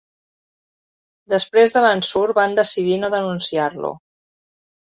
Després de l'ensurt van decidir no denunciar-lo.